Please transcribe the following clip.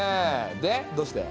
でどうして？